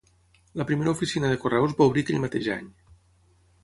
La primera oficina de correus va obrir aquell mateix any.